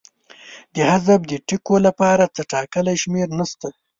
د حذف د ټکو لپاره څه ټاکلې شمېر نشته.